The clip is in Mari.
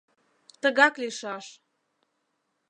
— Тыгак лийшаш!